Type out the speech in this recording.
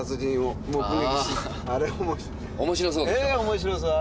面白そう。